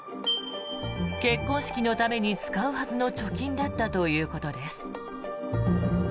結婚式のために使うはずの貯金だったということです。